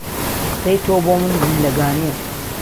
قسەی تۆ بۆ من زیندهگانییه